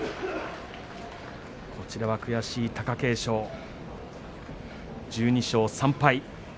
こちらは悔しい貴景勝１２勝３敗。